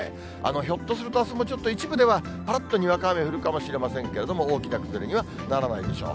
ひょっとするとあすもちょっと一部ではぱらっとにわか雨降るかもしれませんけれども、大きな崩れにはならないでしょう。